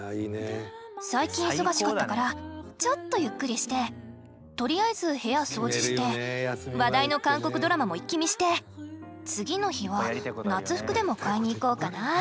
最近忙しかったからちょっとゆっくりしてとりあえず部屋掃除して話題の韓国ドラマも一気見して次の日は夏服でも買いに行こうかな。